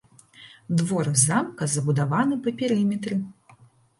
Двор замка забудаваны па перыметры.